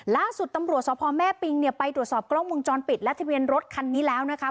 ล่าสุดตำรวจสพแม่ปิงเนี่ยไปตรวจสอบกล้องวงจรปิดและทะเบียนรถคันนี้แล้วนะคะ